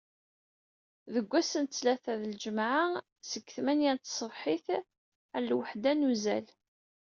Deg wass n ttlata d lǧemεa seg tmenya n tsebḥit ar lweḥda n uzal.